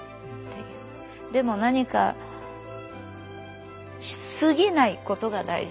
でも何か過ぎないことが大事。